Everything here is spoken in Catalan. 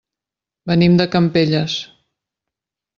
Venim de Campelles.